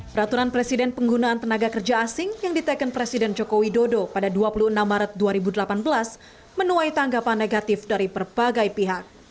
peraturan presiden penggunaan tenaga kerja asing yang diteken presiden joko widodo pada dua puluh enam maret dua ribu delapan belas menuai tanggapan negatif dari berbagai pihak